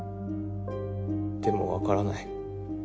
でも分からない。